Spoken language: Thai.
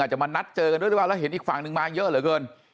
จะมานัดเจอกันด้วยหรือเปล่าแล้วเห็นอีกฝั่งนึงมาเยอะเหลือเกิน